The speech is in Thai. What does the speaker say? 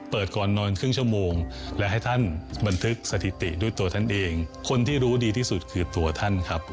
เปิดก่อนนอนครึ่งชั่วโมงและให้ท่านบันทึกสถิติด้วยตัวท่านเองคนที่รู้ดีที่สุดคือตัวท่านครับ